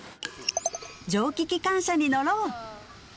蒸気機関車に乗ろう！